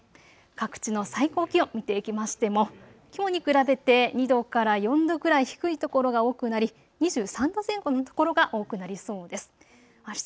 各地の最高気温見ていきましてもきょうに比べて２度から４度くらい低い所が多くなり２３度前後の所が多くなりそうです。